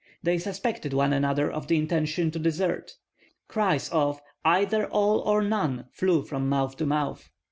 They suspected one another of the intention to desert. Cries of "Either all or none!" flew from mouth to mouth.